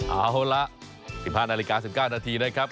เอาล่ะสินพันธ์นาฬิกา๑๙นาทีนะครับ